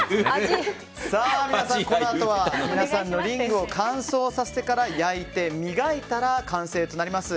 このあとは皆さんのリングを乾燥させてから焼いて磨いたら完成となります。